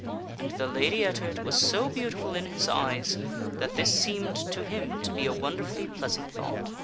And the Lady Ettard was so beautiful in his eyes that this seemed to him to be a wonderfully pleasant thought.